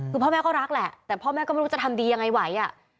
คือพ่อแม่ก็รักแหละแต่พ่อแม่ก็ไม่รู้จะทำดียังไงไหว